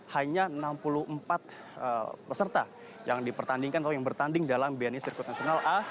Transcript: hanya enam puluh empat peserta yang dipertandingkan atau yang bertanding dalam bni sirkuit nasional a